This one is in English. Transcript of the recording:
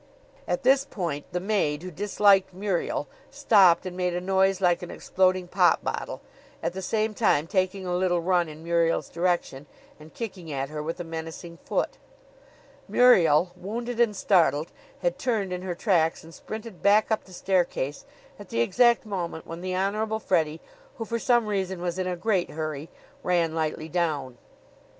At this point the maid, who disliked Muriel, stopped and made a noise like an exploding pop bottle, at the same time taking a little run in Muriel's direction and kicking at her with a menacing foot. Muriel, wounded and startled, had turned in her tracks and sprinted back up the staircase at the exact moment when the Honorable Freddie, who for some reason was in a great hurry, ran lightly down.